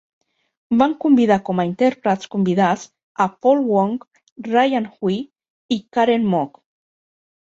Van convidar com a intèrprets convidats a Paul Wong, Ryan Hui i Karen Mok.